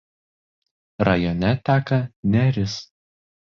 Rajone teka Neris.